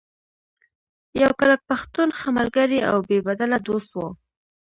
يو کلک پښتون ، ښۀ ملګرے او بې بدله دوست وو